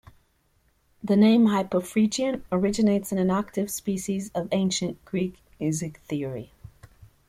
The name Hypophrygian originates in an octave species of ancient Greek music theory.